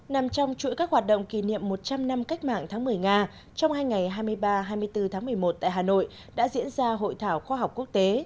nằm trong chuỗi các hoạt động kỷ niệm một trăm linh năm cách mạng tháng một mươi nga trong hai ngày hai mươi ba hai mươi bốn tháng một mươi một tại hà nội đã diễn ra hội thảo khoa học quốc tế